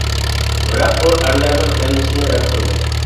بىراق ئۇ ئەرلەرنىڭ ھەممىسىنى رەت قىلدى.